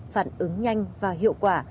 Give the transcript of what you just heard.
phản ứng nhanh và hiệu quả